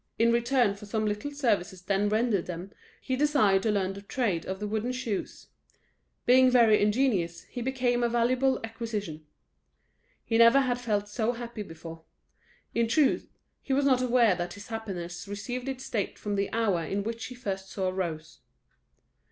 In return for some little services then rendered them, he desired to learn the trade of the wooden shoes; being very ingenious, he became a valuable acquisition. He never had felt so happy before. In truth, he was not aware that this happiness received its date from the hour in which he first saw Rose.